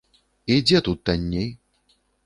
І дзе тут танней?